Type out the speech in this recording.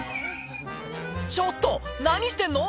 ちょっと、何してんの？